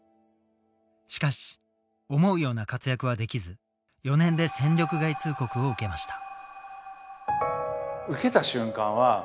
しかし思うような活躍はできず４年で戦力外通告を受けました。